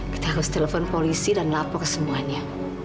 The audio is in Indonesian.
kita harus telepon polisi dan lapor ke semuanya